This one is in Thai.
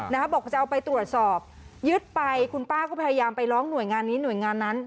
บอกจะเอาไปตรวจสอบยึดไปคุณป้าก็พยายามไปร้องหน่วยงานนี้หน่วยงานนั้น